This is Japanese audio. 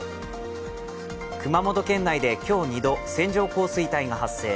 熊本県内で今日２度、線状降水帯が発生。